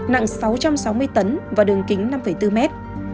nặng sáu trăm sáu mươi tấn và đường kính năm bốn mét